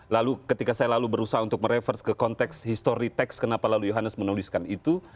lalu ketika saya lalu berusaha untuk mereverse ke konteks history teks kenapa lalu yohanes menuliskan itu